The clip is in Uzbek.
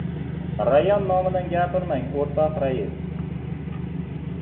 — Rayon nomidan gapirmang, o‘rtoq rais!